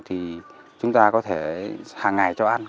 thì chúng ta có thể hàng ngày cho ăn